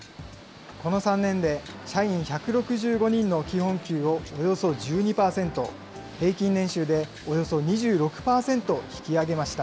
この３年で、社員１６５人の基本給をおよそ１２％、平均年収でおよそ２６％引き上げました。